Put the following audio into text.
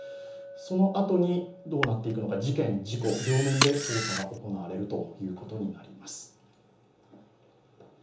そのあとに、どうなっていくのか、事件・事故、両面で捜査が行われるということになります。